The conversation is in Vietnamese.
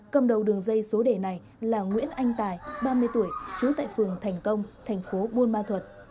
cầm đầu đường dây số đề này là nguyễn anh tài ba mươi tuổi trú tại phường thành công tp bôn hoa thuật